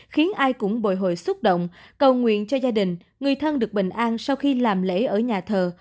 khiến ai cũng bồi hồi xúc động cầu nguyện cho gia đình người thân được bình an sau khi làm lễ ở nhà thờ